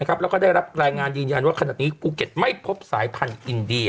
แล้วก็ได้รับรายงานยืนยันว่าขนาดนี้ภูเก็ตไม่พบสายพันธุ์อินเดีย